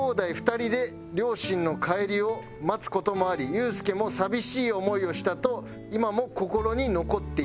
２人で両親の帰りを待つ事もあり裕介も寂しい思いをしたと今も心に残っています」